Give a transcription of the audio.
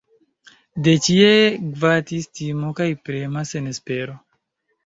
De ĉie gvatis timo kaj prema senespero.